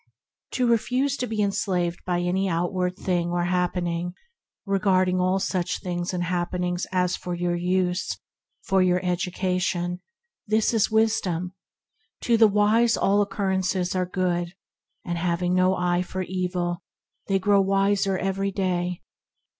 To refuse to be enslaved by any outward thing or happening, regarding all such things and happenings as for your use, for your education, this is Wisdom. To the wise all occurrences are good, and, having no eye for evil, they grow wiser every day.